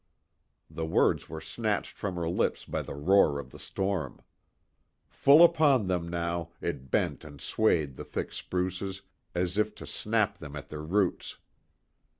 The words were snatched from her lips by the roar of the storm. Full upon them, now, it bent and swayed the thick spruces as if to snap them at the roots.